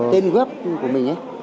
tên web của mình ấy